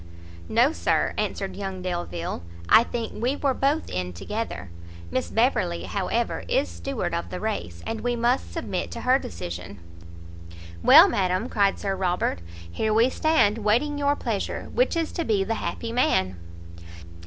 "No, Sir," answered young Delvile, "I think we were both in together; Miss Beverley, however, is steward of the race, and we must submit to her decision." "Well, madam," cried Sir Robert, "here we stand, waiting your pleasure. Which is to be the happy man!"